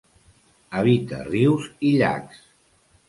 Habita rius i llacs.